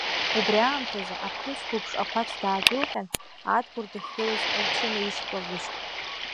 Убри аамҭазы аԥҳәыс қәыԥш ақәацә даадәылҟьан, Адгәыр дахьгылаз лҽынаишьклалыжьт.